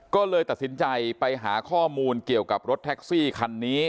ก็เลยตัดสินใจไปหาข้อมูลเกี่ยวกับรถแท็กซี่คันนี้